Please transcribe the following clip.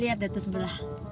lihat deh di sebelah